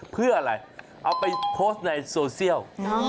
เพื่ออะไรเอาไปโพสต์ในโซเชียล